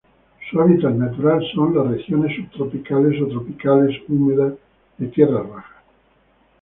Su hábitat natural son regiones subtropicales o tropicales húmedos de tierras bajas.